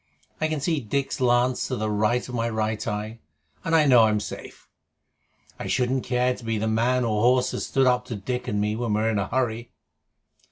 I can see Dick's lance to the right of my right eye, and I know I'm safe. I shouldn't care to be the man or horse that stood up to Dick and me when we're in a hurry."